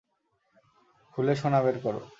খুলে সোনা বের করো।